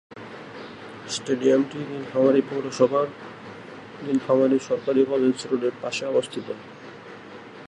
স্টেডিয়ামটি নীলফামারী পৌরসভার নীলফামারী সরকারি কলেজ রোডের পাশে অবস্থিত।